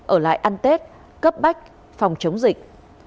ở lại ăn tết cấp bách phòng chống dịch